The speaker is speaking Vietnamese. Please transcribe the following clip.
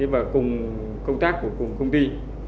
và cùng công tác cùng công ty